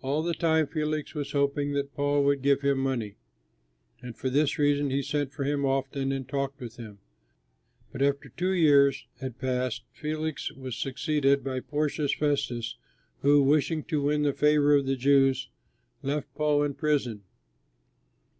All the time Felix was hoping that Paul would give him money, and for this reason he sent for him often and talked with him. But after two years had passed Felix was succeeded by Porcius Festus, who, wishing to win the favor of the Jews, left Paul in prison.